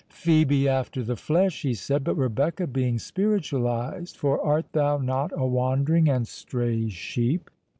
"Phœbe after the flesh," he said, "but Rebecca being spiritualised; for art thou not a wandering and stray sheep?